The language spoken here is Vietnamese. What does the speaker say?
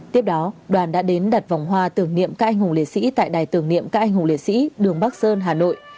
tiếp đó đoàn đã đến đặt vòng hoa tưởng niệm các anh hùng liệt sĩ tại đài tưởng niệm các anh hùng liệt sĩ đường bắc sơn hà nội